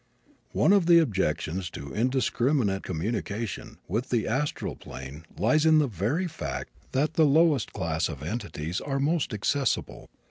One of the objections to indiscriminate communication with the astral plane lies in the very fact that the lowest class of entities are most accessible.